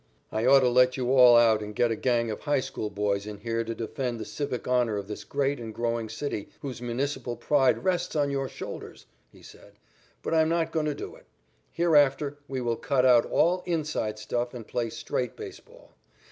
"I ought to let you all out and get a gang of high school boys in here to defend the civic honor of this great and growing city whose municipal pride rests on your shoulders," he said. "But I'm not going to do it. Hereafter we will cut out all 'inside' stuff and play straight baseball.